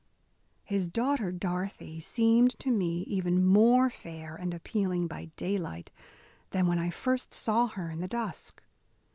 His daughter Dorothy seemed to me even more fair and appealing by daylight than when I first saw her in the dusk.